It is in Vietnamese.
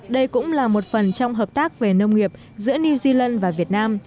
đây cũng là một phần trong hợp tác về nông nghiệp giữa new zealand và việt nam